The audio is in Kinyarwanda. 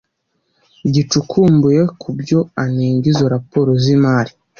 gicukumbuye kubyo anenga izo raporo z imari